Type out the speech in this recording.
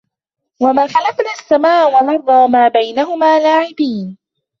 وَمَا خَلَقْنَا السَّمَاءَ وَالْأَرْضَ وَمَا بَيْنَهُمَا لَاعِبِينَ